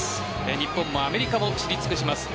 日本もアメリカも知り尽くします